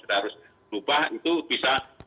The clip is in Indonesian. kita harus berubah itu bisa